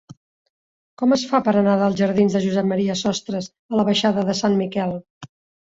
Com es fa per anar dels jardins de Josep M. Sostres a la baixada de Sant Miquel?